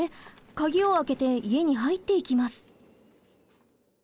鍵を開けて家に入っていきます。